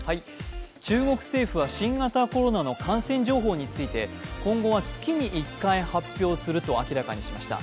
中国政府は新型コロナの感染情報について今後は月に１回発表すると明らかにしました。